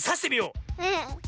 うん。